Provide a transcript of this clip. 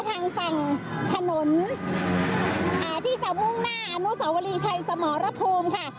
ทางฝั่งถนนที่จะมุ่งหน้าอนุสวรีชัยสมรภูมิค่ะ